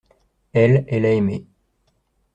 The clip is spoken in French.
Elle, elle a aimé.